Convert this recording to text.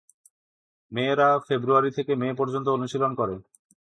মেয়েরা ফেব্রুয়ারি থেকে মে পর্যন্ত অনুশীলন করে।